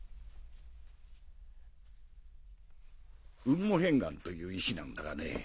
雲母片岩という石なんだがね。